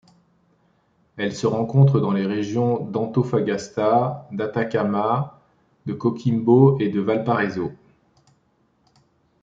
Elle se rencontre dans les régions d'Antofagasta, d'Atacama, de Coquimbo et de Valparaiso.